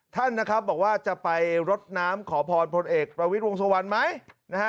ท่านนะครับบอกว่าจะไปรดน้ำขอพรพลเอกประวิทย์วงสุวรรณไหมนะฮะ